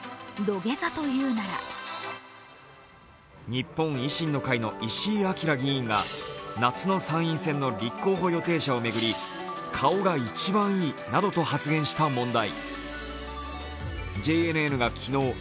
日本維新の会の石井章議員が夏の参院選の立候補予定者を巡り、顔が一番いいなどと発言した問題。